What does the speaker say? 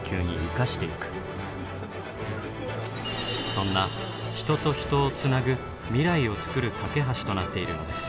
そんな人と人をつなぐ未来をつくる懸け橋となっているのです。